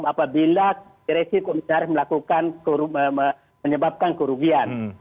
apabila krisis komisaris menyebabkan kerugian